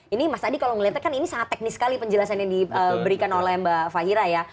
ini mas adi kalau melihatnya kan ini sangat teknis sekali penjelasan yang diberikan oleh mbak fahira ya